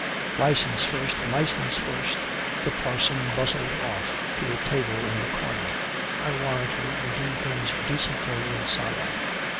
"Licence first, licence first." The parson bustled off to a table in a corner. "I warrant you we do things decently in Sion.